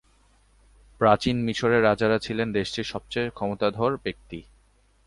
প্রাচীন মিশরের রাজারা ছিলেন দেশটির সবচেয়ে ক্ষমতাধর ব্যক্তি।